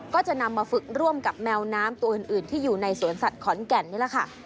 ก็จะนำมาฝึกร่วมกับแมวน้ำตัวอื่นที่อยู่ในสวนสัตว์ขอนแก่นนี่แหละค่ะ